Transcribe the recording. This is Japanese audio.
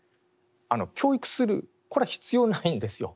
教育するこれは必要ないんですよ。